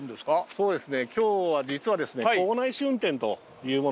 そうです。